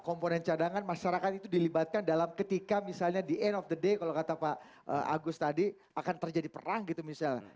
komponen cadangan masyarakat itu dilibatkan dalam ketika misalnya the end of the day kalau kata pak agus tadi akan terjadi perang gitu misalnya